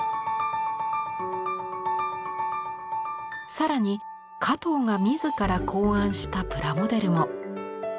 更に加藤が自ら考案したプラモデルも。